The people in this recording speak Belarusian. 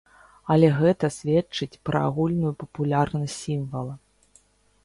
Але гэта сведчыць пра агульную папулярнасць сімвала.